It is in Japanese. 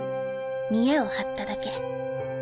見えを張っただけ」。